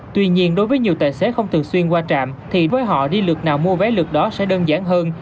tuy nhiên đối với nhiều tài xế không thường xuyên qua trạm thì với họ đi lượt nào mua vé lượt đó sẽ đơn giản hơn